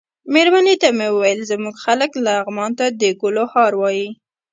مېرمنې ته مې ویل زموږ خلک لغمان ته د ګلو هار وايي.